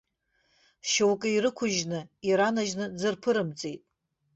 Шьоукы ирықәыжьны, иранажьны дзырԥырымҵит.